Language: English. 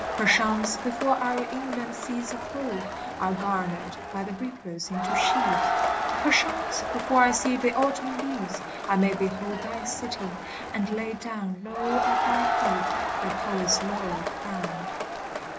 Perchance before our inland seas of gold Are garnered by the reapers into sheaves, Perchance before I see the Autumn leaves, I may behold thy city; and lay down Low at thy feet the poet's laurel crown.